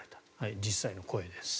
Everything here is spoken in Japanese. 実際の声です。